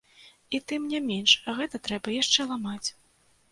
І тым не менш, гэта трэба яшчэ ламаць.